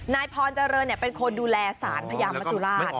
นายพรเจริญเป็นคนดูแลสารพญามจุราช